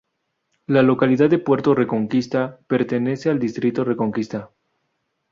La localidad de Puerto Reconquista pertenece al Distrito Reconquista.